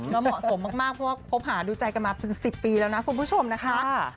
แล้วเหมาะสมมากเพราะว่าคบหาดูใจกันมาเป็น๑๐ปีแล้วนะคุณผู้ชมนะคะ